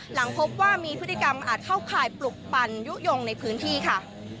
หลังพบว่ามีพฤติกรรมอาจเข้าข่ายปลุกปั่นยุโยงในพื้นที่ค่ะ